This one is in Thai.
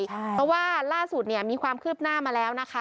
เพราะว่าล่าสุดเนี่ยมีความคืบหน้ามาแล้วนะคะ